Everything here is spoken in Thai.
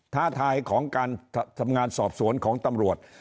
ท้าทายของการทำงานสอบสวนของตำรวจ